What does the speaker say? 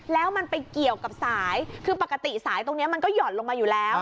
แล้วมันไปเกี่ยวกับสายคือปกติสายตรงนี้มันก็หย่อนลงมาอยู่แล้ว